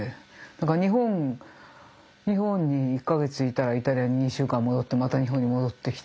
だから日本日本に１か月いたらイタリアに２週間戻ってまた日本に戻ってきて。